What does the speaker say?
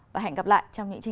và hẹn gặp lại